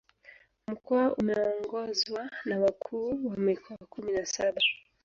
Mkoa umeongozwa na Wakuu wa Mikoa kumi na saba